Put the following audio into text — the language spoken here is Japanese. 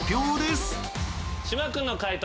島君の解答